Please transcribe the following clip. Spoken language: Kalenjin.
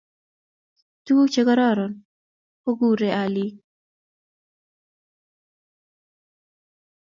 Tuguk Che kororon kukurei alik